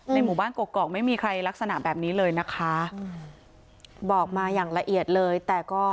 หมู่บ้านกกอกไม่มีใครลักษณะแบบนี้เลยนะคะบอกมาอย่างละเอียดเลยแต่ก็